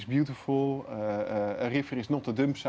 sungai bukan tempat penumpang